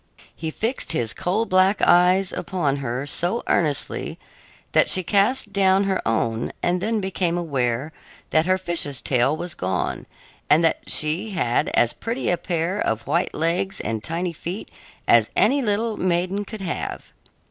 He fixed his coal black eyes upon her so earnestly that she cast down her own and then became aware that her fish's tail was gone and that she had as pretty a pair of white legs and tiny feet as any little maiden could have.